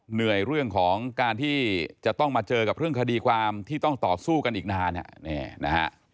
เหนื่อยเรื่องของการที่จะต้องมาเจอกับเรื่องคดีความที่ต้องต่อสู้กันอีกนานนะฮะ